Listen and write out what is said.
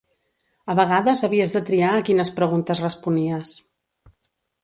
A vegades havies de triar a quines preguntes responies.